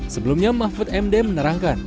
sebelumnya mahfud md menerangkan